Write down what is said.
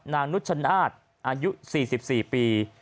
นางนุชชะนาดอายุ๔๔ปี